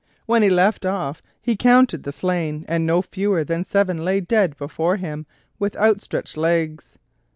When he left off he counted the slain, and no fewer than seven lay dead before him with outstretched legs.